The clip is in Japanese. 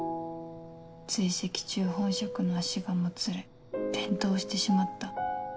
追跡中本職の足がもつれ転倒してしまった。